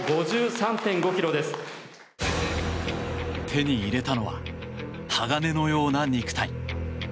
手に入れたのは鋼のような肉体。